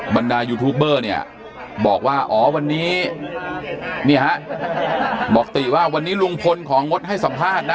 บรรดายูทูปเบอร์เนี่ยบอกว่าอ๋อวันนี้บอกติว่าวันนี้ลุงพลของงดให้สัมภาษณ์นะ